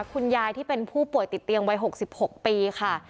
คุณยายที่เป็นผู้ป่วยติดเตียงวัย๖๖ปีค่ะ